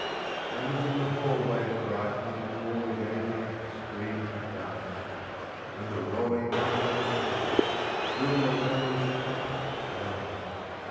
And within the hall wave brightly All the gay decked streams of dancers; And the rolling drums are beaten. Shrill the clamorous trumpet soundeth.